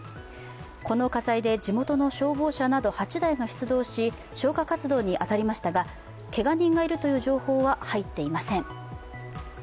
この火災で地元の消防車など８台が出動し、消火活動に当たりましたがけが人がいるという情報は入っていません。